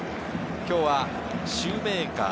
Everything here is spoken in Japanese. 今日はシューメーカー。